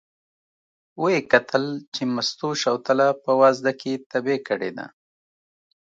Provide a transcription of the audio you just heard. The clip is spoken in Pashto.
و یې کتل چې مستو شوتله په وازده کې تبی کړې ده.